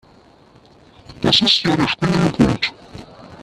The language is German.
Das ist ja der springende Punkt.